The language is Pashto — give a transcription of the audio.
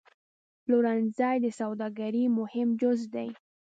پلورنځی د سوداګرۍ مهم جز دی.